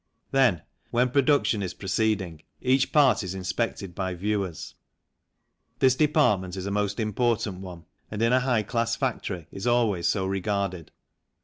Then, when production is proceeding, each part is inspected by viewers. This department is a most important one, and in a high class factory is always so regarded.